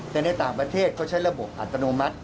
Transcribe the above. แต่ในต่างประเทศเขาใช้ระบบอัตโนมัติ